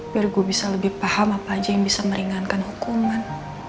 biar gue bisa lebih paham apa aja yang bisa meringankan hukuman